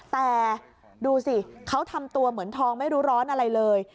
แต่ดูสิเขาทำตัวเหมือนทองไม่รู้ร้อนอะไรเลย